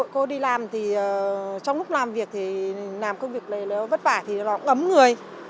cô đi làm thì trong lúc làm việc thì làm công việc này nó vất vả thì nó ấm người